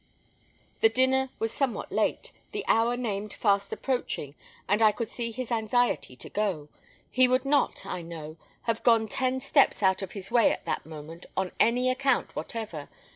The dinner was somewhat late, the hour named fast approaching, and I could see his anxiety to go. He would not, I know, have gone ten steps out of his way at that moment on any account whatever.